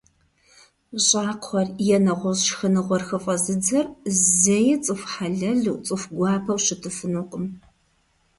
ЩӀакхъуэр е нэгъуэщӀ шхыныгъуэр хыфӀэзыдзэр зэи цӀыху хьэлэлу, цӀыху гуапэу щытыфынукъым.